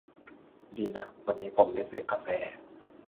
ดีนะวันนี้ผมไม่กาแฟ